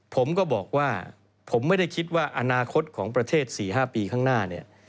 ผมก็บอกว่าผมไม่ได้คิดว่าอนาคตของประเทศ๔๕ปีข้างหน้าเนี่ย